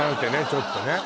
ちょっとね